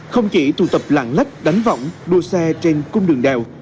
không chỉ tụ tập lạc lách đánh vọng đua xe trên cung đường đèo